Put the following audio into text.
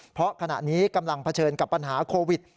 เพราะขณะนี้กำลังเผชิญกับปัญหาโควิด